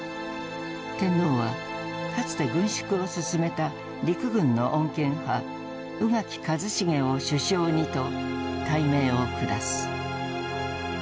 天皇はかつて軍縮を進めた陸軍の穏健派宇垣一成を首相にと大命を下す。